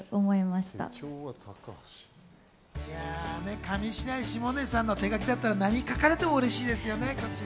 上白石萌音さんの手書きだったら何書かれても嬉しいですね。